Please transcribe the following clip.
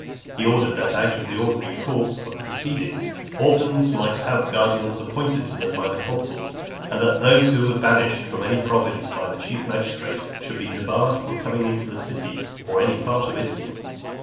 He ordered that, out of the ordinary course of proceeding, orphans might have guardians appointed them by the consuls; and that those who were banished from any province by the chief magistrate, should be debarred from coming into the City, or any part of Italy.